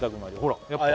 ほらやっぱ